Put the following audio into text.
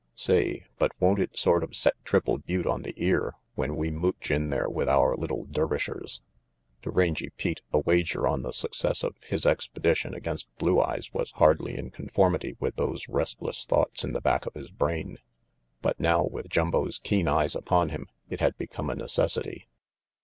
Say, but won't it sort of set Triple Butte on the ear when we mooch in there with our little Der vishers?" To Rangy Pete, a wager on the success of his expe dition against Blue Eyes was hardly in conformity with those restless thoughts in the back of his brain; but now, with Jumbo's keen eyes upon him, it had become a necessity.